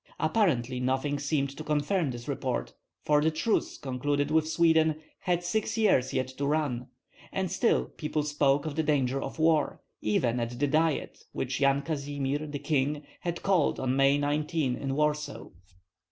Apparently nothing seemed to confirm this report, for the truce concluded with Sweden had six years yet to run; and still people spoke of the danger of war, even at the Diet, which Yan Kazimir the king had called on May 19 in Warsaw.